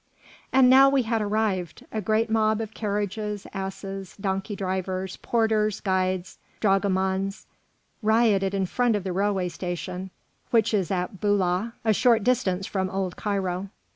And now we had arrived. A great mob of carriages, asses, donkey drivers, porters, guides, dragomans, rioted in front of the railway station, which is at Boulah, a short distance from old Cairo.